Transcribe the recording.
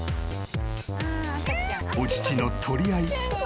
［お乳の取り合い］